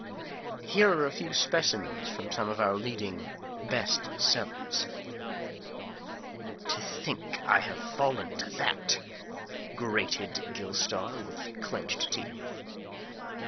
Here are a few specimens from some of our leading "best sellers": "To think I have fallen to that!" grated Gilstar with clenched teeth.